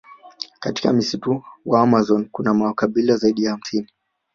Katika msitu wa amazon kuna makabila zaidi ya hamsini